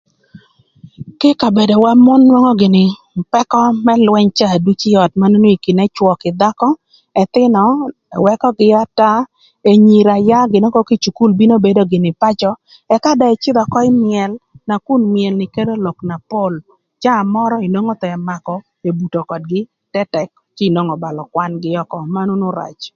Kï ï kabedowa mon nwongo gïnï pëkö më lwëny caa ducu kï ï öt kin ëcwö kï dhakö, ëthïnö ëwëkögï ata, anyira yaa gïnï ökö kï cukul bino bedo gïnï pacö, ëka dong ëcïdhö ökö ï myël nakun myël ni kelö lok na pol caa mörö inwongo thon ëmakö ebuto ködgï tëtëk, cë nwongo öbalö kwangï ökö manu rac.